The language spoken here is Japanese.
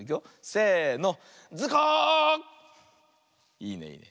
いいねいいね。